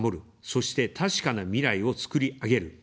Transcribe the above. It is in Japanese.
そして、確かな未来を、創りあげる。